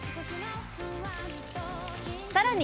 さらに！